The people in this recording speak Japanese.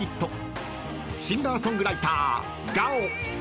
［シンガー・ソングライターＧＡＯ！］